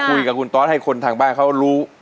เพื่อคุยกับคุณตอ๊ดให้คนทางบ้านเข้ารู้